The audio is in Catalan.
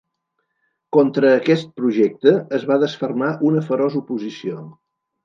Contra aquest projecte es va desfermar una feroç oposició.